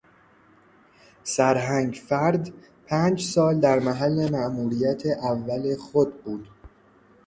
سرهنگ فرد پنج سال در محل ماموریت اول خود بود.